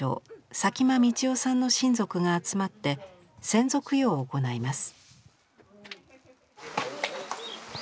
佐喜眞道夫さんの親族が集まって先祖供養を行います。